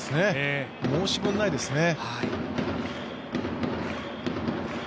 申し分ないですね。